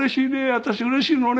私うれしいのね。